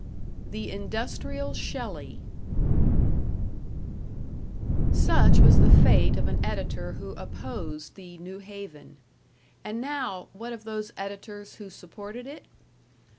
#The Industrial Shelley# Such was the fate of an editor who opposed the "New Haven". And now, what of those editors who supported it?